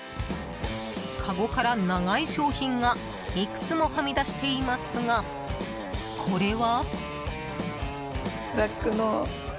かごから長い商品がいくつもはみ出していますが、これは？